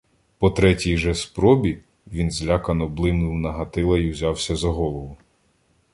По третій же спробі він злякано блимнув на Гатила й узявся за голову: